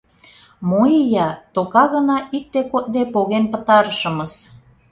— Мо ия, тока гына икте кодде поген пытарышымыс.